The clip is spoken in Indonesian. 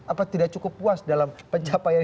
apa tidak cukup puas dalam pencapaian